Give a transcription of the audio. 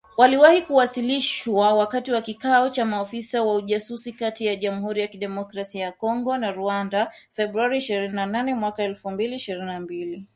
Waliwahi kuwasilishwa wakati wa kikao cha maafisa wa ujasusi kati ya Jamhuri ya Kidemokrasia ya Kongo na Rwanda, Februari ishirini na nane mwaka elfu mbili ishirini na mbili